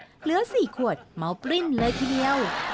เหลือ๔ขวดเมาปริ้นเลยทีเดียว